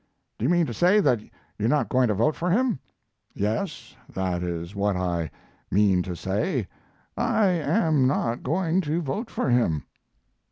"Do you mean to say that you're not going to vote for him?" "Yes, that is what I mean to say. I am not going to vote for him."